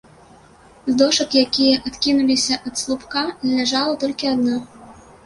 З дошак, якія адкінуліся ад слупка, ляжала толькі адна.